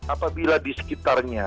apabila di sekitarnya